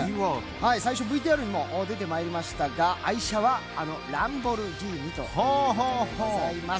最初ＶＴＲにも出てまいりましたが、愛車はあのランボルギーニということでございます。